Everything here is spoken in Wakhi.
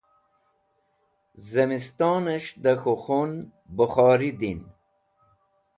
zimistones̃h da k̃hu khun bukhori din